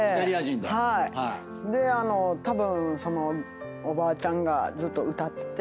たぶんそのおばあちゃんがずっと歌ってて。